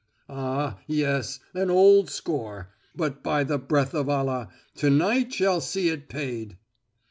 Ah, yes, an old score; but by the breath of Allah, to night shall see it paid!"